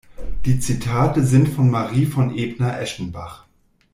Die Zitate sind von Marie von Ebner-Eschenbach.